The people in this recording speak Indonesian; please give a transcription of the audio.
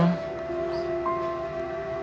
tuhan yang bisa melindungi